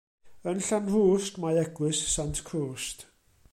Yn Llanrwst mae Eglwys Sant Crwst.